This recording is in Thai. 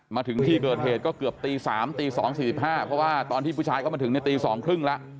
มาถึงที่เกิดเหตุก็เกือบตี๓ตี๒๔๕เพราะว่าตอนที่ผู้ชายเข้ามาถึงในตี๒๓๐แล้ว